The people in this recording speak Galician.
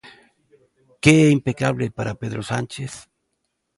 Que é impecable para Pedro Sánchez?